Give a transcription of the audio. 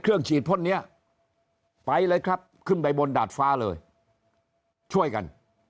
ฉีดพ่นนี้ไปเลยครับขึ้นไปบนดาดฟ้าเลยช่วยกัน